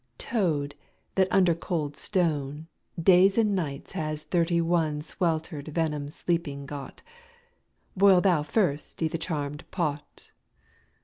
— Toad, that under cold stone Days and nights has thirty one Swelter'd venom sleeping got, Boil thou first i' th' charmed pot!